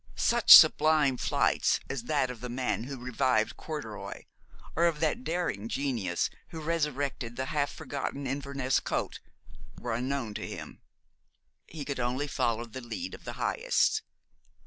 Such sublime flights as that of the man who revived corduroy, or of that daring genius who resuscitated the half forgotten Inverness coat, were unknown to him. He could only follow the lead of the highest.